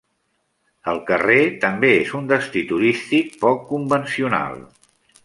El carrer també és un destí turístic poc convencional.